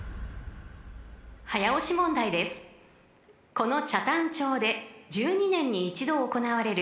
［早押し問題です］えっ？